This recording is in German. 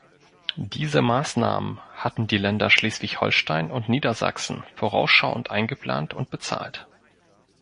Diese Maßnahmen hatten die Länder Schleswig-Holstein und Niedersachsen vorausschauend eingeplant und bezahlt.